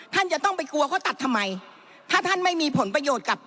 ท่านจะต้องไปกลัวเขาตัดทำไมถ้าท่านไม่มีผลประโยชน์กับ